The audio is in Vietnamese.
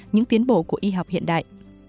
những tiến bộ của y học hiện đại